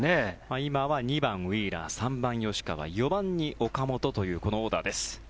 今は２番、ウィーラー３番、吉川４番に岡本というこのオーダーです。